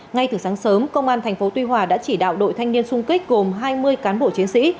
ngay từ sáng sớm công an thành phố tuy hòa đã chỉ đạo đội thanh niên sung kích gồm hai mươi cán bộ chiến sĩ